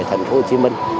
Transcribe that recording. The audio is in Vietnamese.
thành phố hồ chí minh